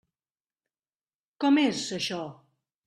Com és, això?